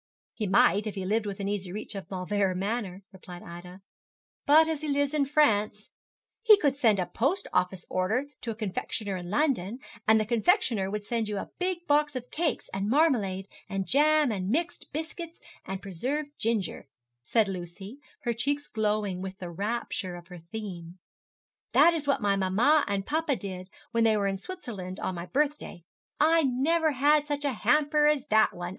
'He might, if he lived within easy reach of Mauleverer Manor,' replied Ida; 'but as he lives in France ' 'He could send a post office order to a confectioner in London, and the confectioner would send you a big box of cakes, and marmalade, and jam, and mixed biscuits, and preserved ginger,' said Lucy, her cheeks glowing with the rapture of her theme. 'That is what my mamma and papa did, when they were in Switzerland, on my birthday. I never had such a hamper as that one.